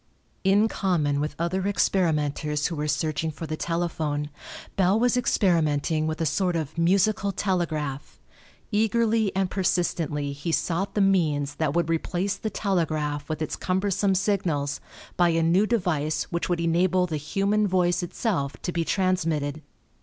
In common with other experimenters who were searching for the telephone, Bell was experimenting with a sort of musical telegraph. Eagerly and persistently he sought the means that would replace the telegraph with its cumbersome signals by a new device which would enable the human voice itself to be transmitted.